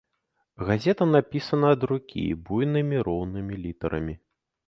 Газета напісана ад рукі буйнымі роўнымі літарамі.